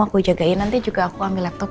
aku jagain nanti juga aku ambil laptop